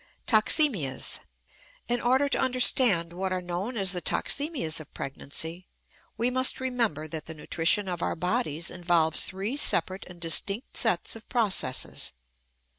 TOXEMIAS. In order to understand what are known as the toxemias of pregnancy, we must remember that the nutrition of our bodies involves three separate and distinct sets of processes.